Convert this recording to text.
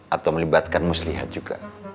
atau melibatkan muslihat juga